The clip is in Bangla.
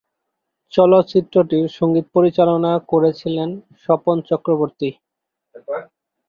চলচ্চিত্রটির সঙ্গীত পরিচালনা করেছিলেন স্বপন চক্রবর্তী।